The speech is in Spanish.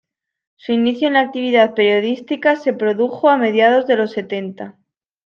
Su inicio en la actividad periodística se produjo a mediados de los setenta.